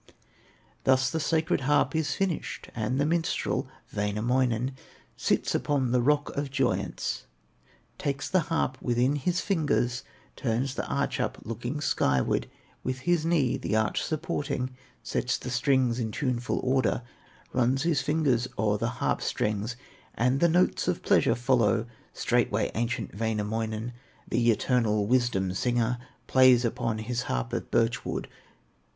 Thus the sacred harp is finished, And the minstrel, Wainamoinen, Sits upon the rock of joyance, Takes the harp within his fingers, Turns the arch up, looking skyward; With his knee the arch supporting, Sets the strings in tuneful order, Runs his fingers o'er the harp strings, And the notes of pleasure follow. Straightway ancient Wainamoinen, The eternal wisdom singer, Plays upon his harp of birch wood.